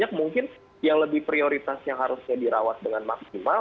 jadi mungkin banyak yang lebih prioritas yang harusnya dirawat maksimal